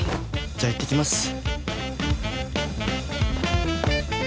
じゃあいってきます。